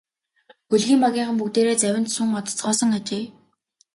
Хөлгийн багийнхан бүгдээрээ завинд суун одоцгоосон ажээ.